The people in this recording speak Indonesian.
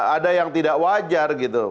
ada yang tidak wajar